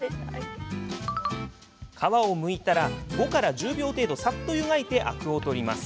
皮をむいたら、５１０秒程度さっと湯がいてアクを取ります。